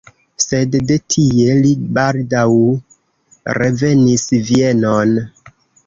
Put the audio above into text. Sed de tie li baldaŭ revenis Vienon.